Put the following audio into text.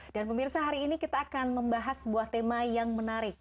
dan pemirsa hari ini kita akan membahas sebuah tema yang menarik